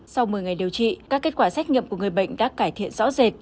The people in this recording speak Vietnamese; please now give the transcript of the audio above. sau một mươi ngày điều trị các kết quả xét nghiệm của người bệnh đã cải thiện rõ rệt